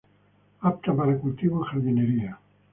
Apta para cultivo en jardinería.